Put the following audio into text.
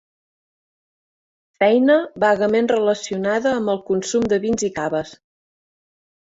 Feina vagament relacionada amb el consum de vins i caves.